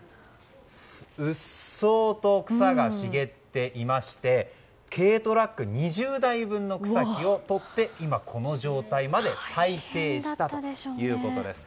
うっそうと草が茂っていまして軽トラック２０台分の草木をとって今、この状態まで再生したということです。